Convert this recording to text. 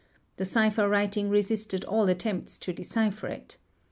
The cipher writing resisted all attempts to decipher it.